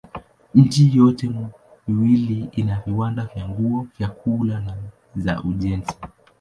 Miji yote miwili ina viwanda vya nguo, vyakula na za ujenzi.